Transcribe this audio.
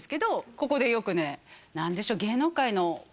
ここでよくね何でしょうかな